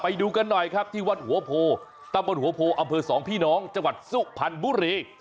ไปดูกันหน่อยครับที่วัดหัวโพตำบลหัวโพอำเภอสองพี่น้องจังหวัดสุพรรณบุรี